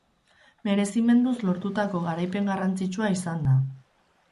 Merezimenduz lortutako garaipen garrantzitsua izan da.